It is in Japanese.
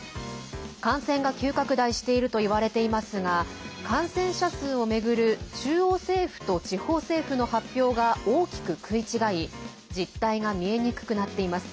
感染が急拡大しているといわれていますが感染者数を巡る中央政府と地方政府の発表が大きく食い違い実態が見えにくくなっています。